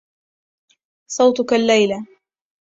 صوتك الليلةَ